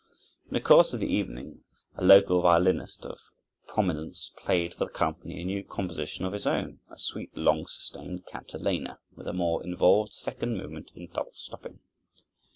In the course of the evening a local violinist of prominence played for the company a new composition of his own, a sweet, long sustained cantilena, with a more involved second movement in double stopping.